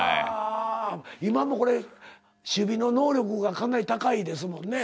今もこれ守備の能力がかなり高いですもんね。